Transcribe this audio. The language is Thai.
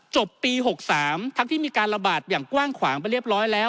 จบปี๖๓ทั้งที่มีการระบาดอย่างกว้างขวางไปเรียบร้อยแล้ว